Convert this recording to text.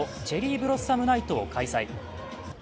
チェリー・ブロッサム・ナイトを開催。